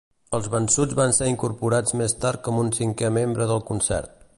Els vençuts van ser incorporats més tard com un cinquè membre del concert.